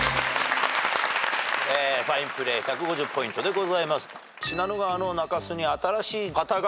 ファインプレー１５０ポイントです。